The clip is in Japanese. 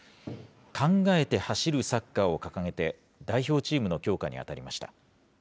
考えて走るサッカーを掲げて、代表チームの強化に当たりました。